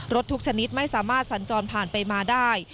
ทุกชนิดไม่สามารถสัญจรผ่านไปมาได้